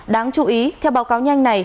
đáng chú ý theo báo cáo nhanh này